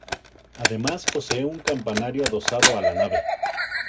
Además posee un campanario adosado a la nave.